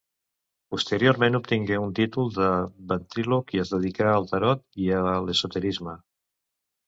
Posteriorment obtingué un títol de ventríloc i es dedicà al tarot i a l'esoterisme.